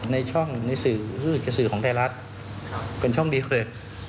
ในช่องในสื่อของไทยรัฐเป็นช่องดีเลย